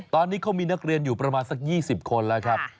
ตอนนี้เขามีนักเรียนอยู่ประมาณสัก๒๐คนแล้วครับ